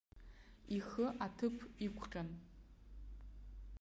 Ихы аҭыԥ иқәҟьан.